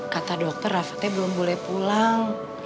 kata dokter rafatnya belum boleh pulang